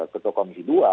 ketua komisi dua